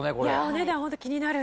お値段ホント気になる。